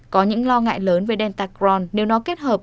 có những lo ngại lớn về delta cron nếu nó kết hợp